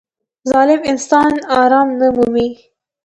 • ظالم انسان آرام نه مومي.